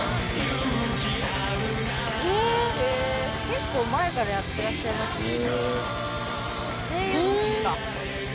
結構前からやってらっしゃいますよね。